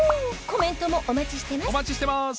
コメントもお待ちしてます